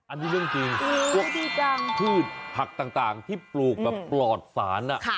อันนี้เรื่องจริงพืชผักต่างที่ปลูกปลอดสาร